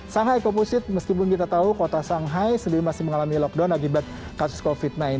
shanghai komposite meskipun kita tahu kota shanghai sendiri masih mengalami lockdown akibat kasus covid sembilan belas